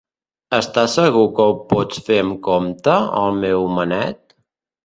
Estàs segur que ho pots fer amb compte, el meu homenet?